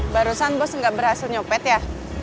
barusan bos nggak berhasil nyopet ya